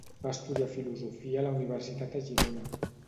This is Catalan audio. Va estudiar filosofia a la Universitat de Girona.